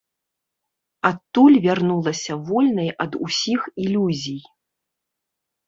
Адтуль вярнулася вольнай ад усіх ілюзій.